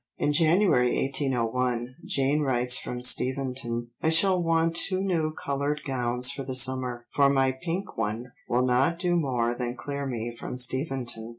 In January 1801, Jane writes from Steventon, "I shall want two new coloured gowns for the summer, for my pink one will not do more than clear me from Steventon.